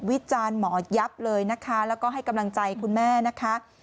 จานหมอยับเลยนะคะแล้วก็ให้กำลังใจคุณแม่นะคะ